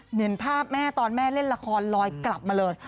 เหมือนภาพแม่ตอนแม่เล่นละครลอยกลับมาเลย